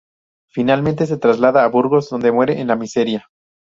Finalmente se traslada a Burgos, dónde muere en la miseria.